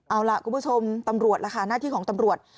เอาล่ะคุณผู้ชมตำรวจล่ะค่ะหน้าที่ของตำรวจ